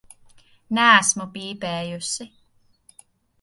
Neesmu pīpējusi.